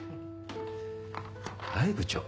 はい部長。